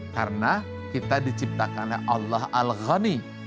karena kita diciptakannya allah al ghani